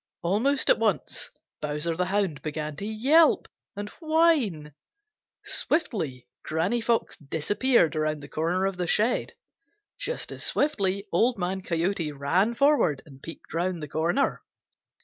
Almost at once Bowser the Hound began to yelp and whine. Swiftly Granny Fox disappeared around the corner of the shed. Just as swiftly Old Man Coyote ran forward and peeped around the corner.